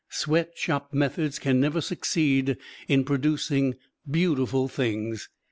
Sweat shop methods can never succeed in producing beautiful things.